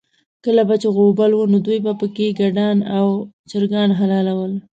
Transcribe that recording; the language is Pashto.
کله به چې غوبل و، نو دوی به پکې ګډان او چرګان حلالول.